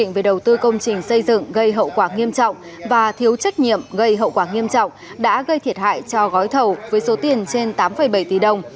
về đầu tư công trình xây dựng gây hậu quả nghiêm trọng và thiếu trách nhiệm gây hậu quả nghiêm trọng đã gây thiệt hại cho gói thầu với số tiền trên tám bảy tỷ đồng